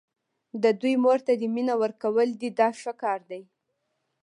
د دوی مور ته دې مینه ورکول دي دا ښه کار دی.